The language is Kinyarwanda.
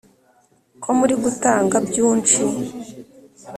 Ko muri gutanga byunshi